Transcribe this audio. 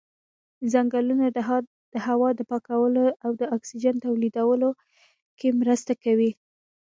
ځنګلونه د هوا د پاکولو او د اکسیجن تولیدولو کې مرسته کوي.